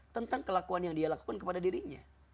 tentang kelakuan yang dia lakukan kepada dirinya